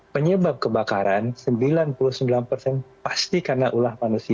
penyebab kebakaran sembilan puluh sembilan persen pasti karena ulah manusia